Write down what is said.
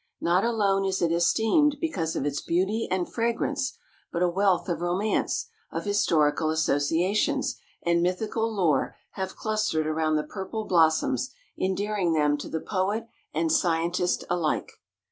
Not alone is it esteemed because of its beauty and fragrance, but a wealth of romance, of historical associations and mythical lore have clustered around the purple blossoms, endearing them to the poet and scientist alike.